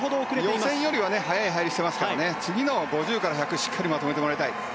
予選よりは速い入りをしていますから次の５０から１００をしっかりまとめてもらいたい。